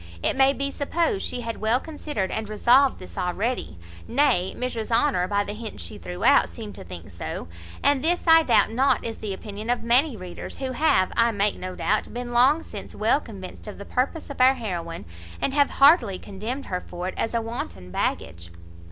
It may be supposed she had well considered and resolved this already; nay, Mrs Honour, by the hints she threw out, seemed to think so; and this I doubt not is the opinion of many readers, who have, I make no doubt, been long since well convinced of the purpose of our heroine, and have heartily condemned her for it as a wanton baggage.